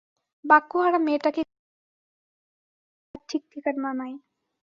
বাক্যহারা মেয়েটাকে কত কথাই সে যে বলিল তার ঠিকঠকানা নাই।